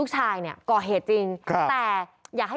พ่อบอกว่า